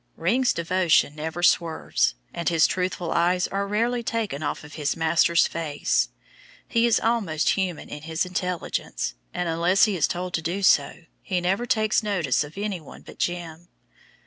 "Ring's" devotion never swerves, and his truthful eyes are rarely taken off his master's face. He is almost human in his intelligence, and, unless he is told to do so, he never takes notice of any one but "Jim."